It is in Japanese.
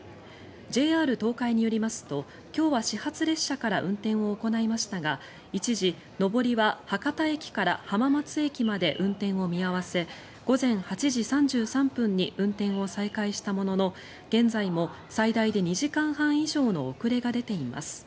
ＪＲ東海によりますと今日は始発列車から運転を行いましたが一時、上りは博多駅から浜松駅まで運転を見合わせ午前８時３３分に運転を再開したものの現在も最大で２時間半以上の遅れが出ています。